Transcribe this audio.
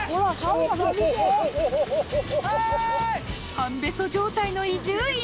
半べそ状態の伊集院